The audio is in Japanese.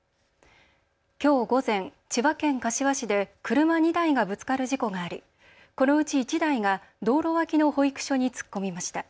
きょう午前、千葉県柏市で車２台がぶつかる事故がありこのうち１台が道路脇の保育所に突っ込みました。